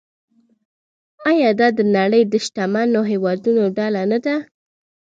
آیا دا د نړۍ د شتمنو هیوادونو ډله نه ده؟